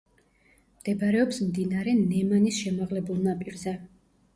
მდებარეობს მდინარე ნემანის შემაღლებულ ნაპირზე.